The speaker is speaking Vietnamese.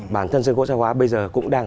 bản thân sân khấu xã hóa bây giờ cũng đang